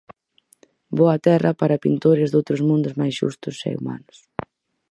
Boa terra para pintores doutros mundos máis xustos e humanos.